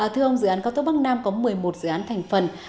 thưa ông dự án cao tốc bắc nam có một mươi một dự án thành phần